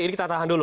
ini kita tahan dulu